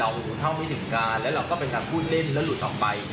รู้เท่าไม่ถึงการแล้วเราก็เป็นการพูดเล่นแล้วหลุดออกไป